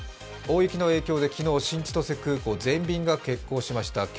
大雪の影響で昨日、新千歳空港全便が欠航しました。